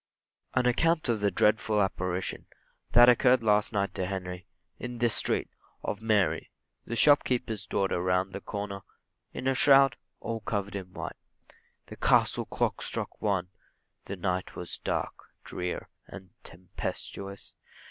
AN ACCOUNT OF THE DREADFUL APPARITION That appeared last night to Henry in this street, of Mary , the shopkeeper's daughter round the corner, in a shroud, all covered in white. The castle clock struck one the night was dark, drear, and tempestuous.